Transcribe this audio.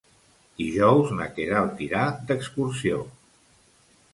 Dijous na Queralt irà d'excursió.